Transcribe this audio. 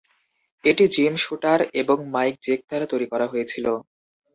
এটি Jim Shooter এবং Mike Jake দ্বারা তৈরি করা হয়েছিল।